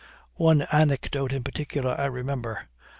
"One anecdote in particular I remember.